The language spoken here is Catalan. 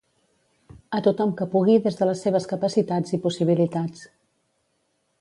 A tothom que pugui des de les seves capacitats i possibilitats.